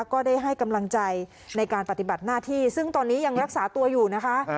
ก็ได้ให้กำลังใจในการปฏิบัติหน้าที่ซึ่งตอนนี้ยังรักษาตัวอยู่นะคะ